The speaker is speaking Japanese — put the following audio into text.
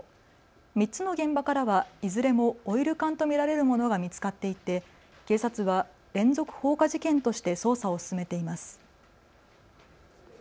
３つの現場からはいずれもオイル缶と見られるものが見つかっていて警察は連続放火事件として捜査を進めています。